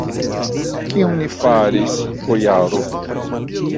Kion ni faris, bojaro?